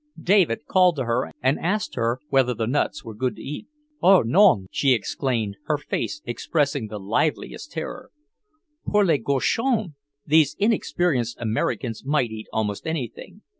David called to her and asked her whether the nuts were good to eat. "Oh, non!" she exclaimed, her face expressing the liveliest terror, "pour les cochons!" These inexperienced Americans might eat almost anything.